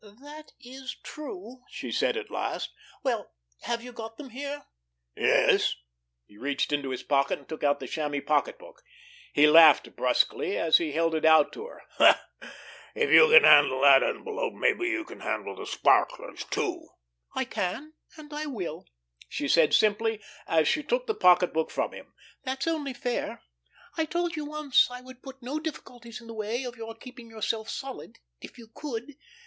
"That is true," she said at last. "Well, have you got them here?" "Yes." He reached into his pocket and took out the chamois pocketbook. He laughed brusquely, as he held it out to her. "If you can handle that envelope, maybe you can handle the sparklers, too!" "I can—and I will," she said simply, as she took the pocketbook from him. "That's only fair. I told you once that I would put no difficulties in the way of your keeping yourself solid—if you could!